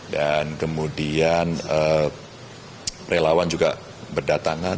dan kemudian relawan juga berdatangan